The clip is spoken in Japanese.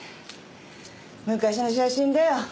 昔の写真だよ。